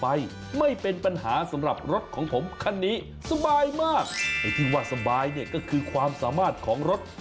ไม่เป็นปัญหาสำหรับรถของผมคันนี้สบายมากไอ้ที่ว่าสบายเนี่ยก็คือความสามารถของรถ